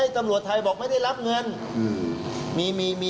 ตำรวจไทยบอกไม่ได้รับเงิน